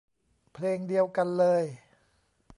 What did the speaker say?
เพลงเดียวกันเลย